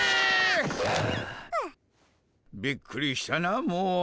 びっくりしたなもう。